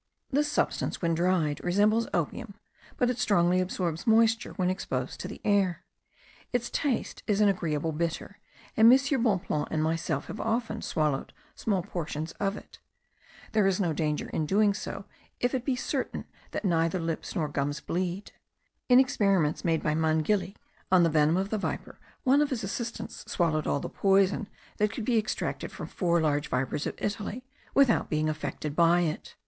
This substance, when dried, resembles opium; but it strongly absorbs moisture when exposed to the air. Its taste is an agreeable bitter, and M. Bonpland and myself have often swallowed small portions of it. There is no danger in so doing, if it be certain that neither lips nor gums bleed. In experiments made by Mangili on the venom of the viper, one of his assistants swallowed all the poison that could be extracted from four large vipers of Italy, without being affected by it.